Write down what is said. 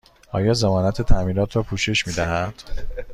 آیا ضمانت تعمیرات را پوشش می دهد؟